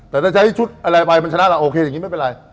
แต่ถ้าใช้ชุดอะไรไปมันชนะล่ะโอเคอย่างนี้ไม่เป็นไร